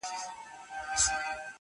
ځوانان هڅه کوي هېر کړي ډېر,